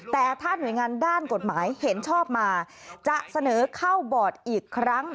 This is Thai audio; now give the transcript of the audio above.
แต่ถ้าหน่วยงานด้านกฎหมายเห็นชอบมาจะเสนอเข้าบอร์ดอีกครั้ง